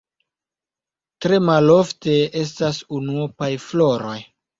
Tre malofte estas unuopaj floroj.